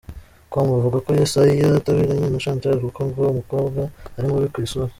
com bavuga ko Yesaya ataberanye na Chantal kuko ngo umukobwa ari mubi ku isura.